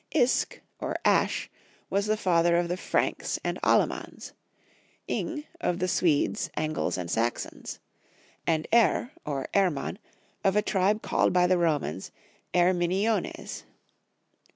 Isk (or Ash) was the father of the Franks and Allemans ; Ing, of the Swedes, Angles, and Saxons ; and Er, or Erman, of a tribe called by the Romans Herminiones.